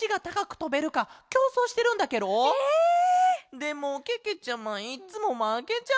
でもけけちゃまいっつもまけちゃうんだケロ。